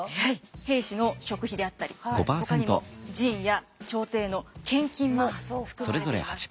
兵士の食費であったりほかにも寺院や朝廷への献金も含まれています。